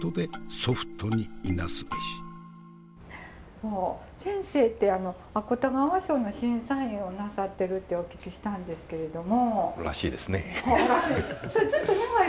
そう先生って芥川賞の審査員をなさってるってお聞きしたんですけれども。らしいですね。らしい。